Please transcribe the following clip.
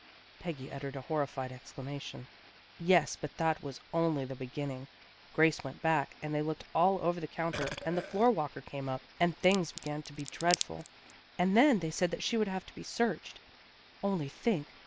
Peggy uttered a horrified exclamation. " Yes, but that was only the beginning. Grace went back, and they looked all over the counter, and the floor walker came up, and things began to be dreadful. And then they said that she would have to be searched. Only think!